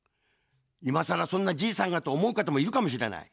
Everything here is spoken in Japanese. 今さら、そんなじいさんがと思う方もいるかもしれない。